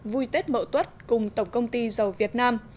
vui tết mậu tuất cùng tổng công ty dầu việt nam